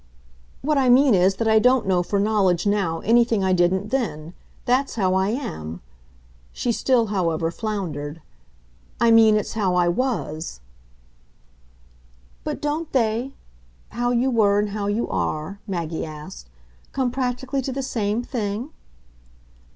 "What I mean is that I don't know, for knowledge, now, anything I didn't then. That's how I am." She still, however, floundered. "I mean it's how I WAS." "But don't they, how you were and how you are," Maggie asked, "come practically to the same thing?"